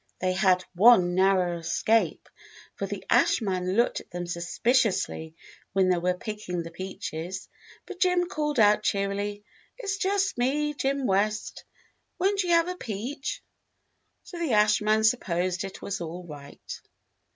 They had one narrow escape. 110 THE BLUE AUNT for the ash man looked at them suspiciously when they were picking the peaches, but Jim called out cheerily, "It's just me, Jim West. Won't you have a peach?" So the ash man supposed it was all right.